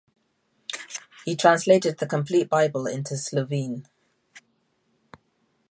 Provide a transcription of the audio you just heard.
He translated the complete Bible into Slovene.